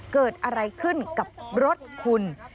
เกิดอะไรขึ้นกับรถคุณ